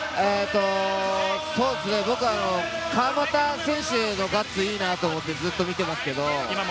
僕は川真田選手のガッツ、いいなと思ってずっと見てますけれども。